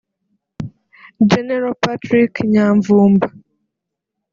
Gen patrick Nyamvumba